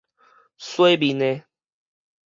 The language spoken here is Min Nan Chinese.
洗面的